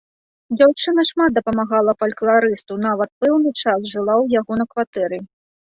Дзяўчына шмат дапамагала фалькларысту, нават пэўны час жыла ў яго на кватэры.